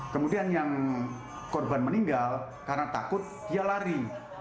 kemudian yang korban meninggal karena takut dia lari